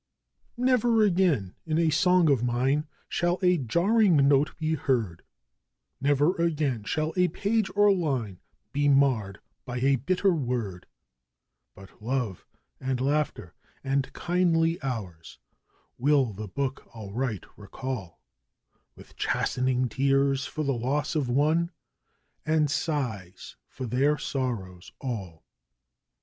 'Never again in a song of mine shall a jarring note be heard: 'Never again shall a page or line be marred by a bitter word; 'But love and laughter and kindly hours will the book I'll write recall, 'With chastening tears for the loss of one, and sighs for their sorrows all.